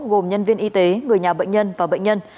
gồm nhân viên y tế người nhà bệnh nhân và bệnh nhân